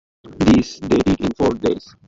This they did in four days.